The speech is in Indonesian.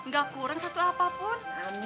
gak kurang satu apapun